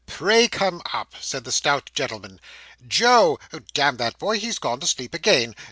Pray, come up,' said the stout gentleman. 'Joe! damn that boy, he's gone to sleep again.